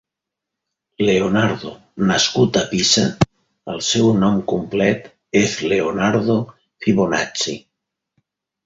Leonardo: nascut a Pisa, el seu nom complet és Leonardo Fibonacci.